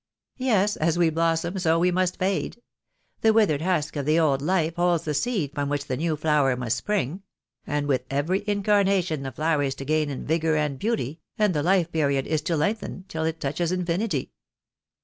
"Yes; as we blossom so must we fade. The withered husk of the old life holds the seed from which the new flower must spring; and with every incarnation the flower is to gain in vigour and beauty, and the life period is to lengthen till it touches infinity."